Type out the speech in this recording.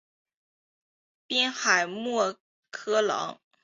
滨海莫厄朗。